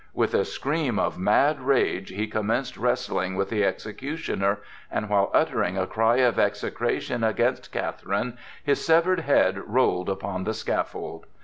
With a scream of mad rage he commenced wrestling with the executioner, and while uttering a cry of execration against Catherine, his severed head rolled upon the scaffold.